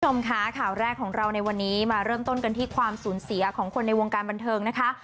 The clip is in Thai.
คุณผู้ชมค่ะข่าวแรกของเราในวันนี้มาเริ่มต้นกันที่ความสูญเสียของคนในวงการบันเทิงนะคะ